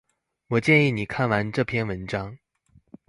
我建議你看完這篇文章